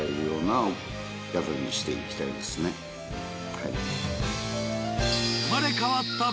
はい。